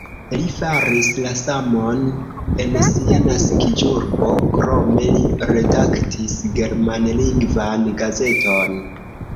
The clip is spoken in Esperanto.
Li faris la samon en sia naskiĝurbo, krome li redaktis germanlingvan gazeton.